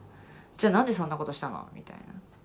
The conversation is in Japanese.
「じゃあ何でそんなことしたの」みたいな。